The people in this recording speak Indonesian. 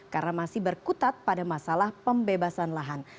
karena masih berkutat pada masalah pembebasan lahan